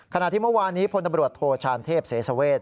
ขณะที่เมื่อวานนี้พลตำรวจโทชานเทพเสสเวท